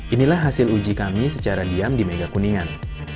inilah hasil uji kami secara diam di mega kuningan